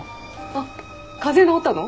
あっ風邪治ったの？